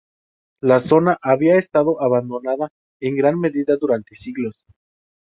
La zona había estado abandonada en gran medida durante siglos.